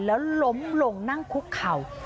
แล้วล้มลงนั่งคุกเข่า